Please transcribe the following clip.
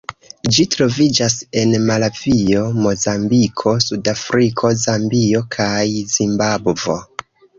Ĝi troviĝas en Malavio, Mozambiko, Sudafriko, Zambio kaj Zimbabvo.